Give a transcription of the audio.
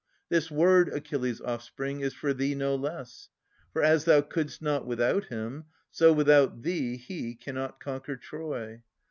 This word, Achilles' offspring, is for thee No less. For, as thou could'st not without him. So, without thee, he cannot conquer Troy.